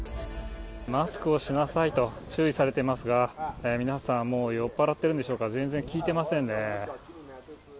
マスクをしなさいと注意されていますが、皆さん、もう酔っぱらってるんでしょうか、全然聞いてませんね。